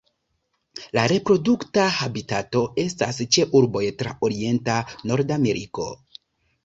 La reprodukta habitato estas ĉe urboj tra orienta Nordameriko.